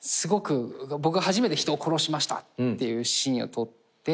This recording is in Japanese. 僕が初めて人を殺しましたってシーンを撮って。